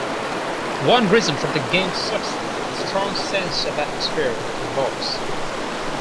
One reason for the game's success is the strong sense of atmosphere it evokes.